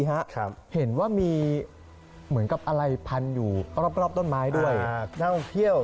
เห็นว่ามีเหมือนกับอะไรพันอยู่รอบต้นไม้ด้วย